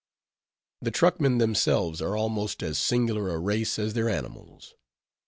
The truckmen themselves are almost as singular a race as their animals.